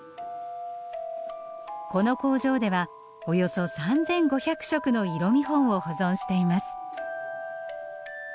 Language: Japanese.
この工場ではおよそ３，５００色の色見本を保存しています。